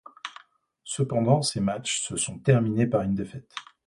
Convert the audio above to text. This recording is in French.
Cependant, ces matchs se sont terminés par une défaite.